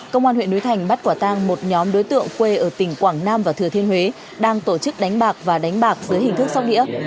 công an huyện núi thành bắt quả tang một nhóm đối tượng quê ở tỉnh quảng nam và thừa thiên huế đang tổ chức đánh bạc và đánh bạc dưới hình thức sóc đĩa